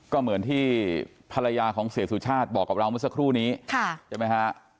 ก็เหมือนที่ภรรยาของเสียสุชาติบอกกับเราเมื่อสักครู่นี้ใช่ไหมฮะ